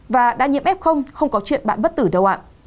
và đã nhiễm f không có chuyện bạn bất tử đâu ạ